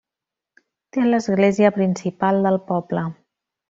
Té l'església principal del poble.